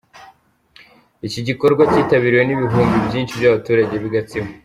Iki gikorwa cyitabiriwe n'ibihumbi byinshi by'abaturage b'i Gatsibo.